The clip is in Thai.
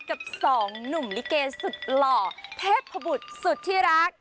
กับสองหนุ่มลิเกสุดหล่อเทพบุตรสุดที่รัก